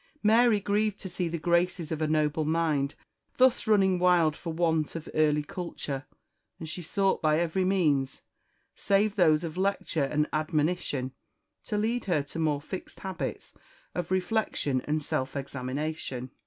Mary grieved to see the graces of a noble mind thus running wild for want of early culture; and she sought by every means, save those of lecture and admonition to lead her to more fixed habits of reflection and self examination.